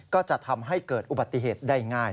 ก็จะทำให้เกิดอุบัติเหตุได้ง่าย